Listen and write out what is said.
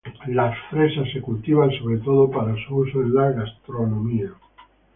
Las fresas se cultivan sobre todo por su uso en la gastronomía.